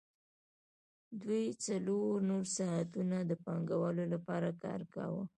دوی څلور نور ساعتونه د پانګوال لپاره کار کاوه